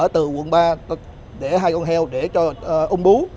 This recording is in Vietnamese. từ quận ba để hai con heo để cho ung bú